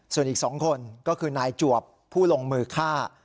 ส่วนอีก๒คนก็คือนายจวบผู้ลงมือฆ่า